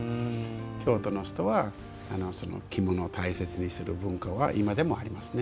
京都の人は着物を大切にする文化は今もありますね。